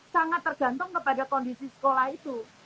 sangat tergantung kepada kondisi sekolah itu